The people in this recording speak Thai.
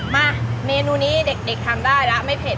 มาเมนูนี้เด็กทำได้แล้วไม่เผ็ด